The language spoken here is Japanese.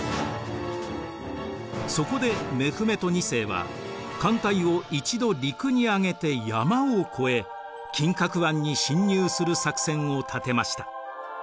そこでメフメト２世は艦隊を一度陸に上げて山を越え金角湾に侵入する作戦を立てました。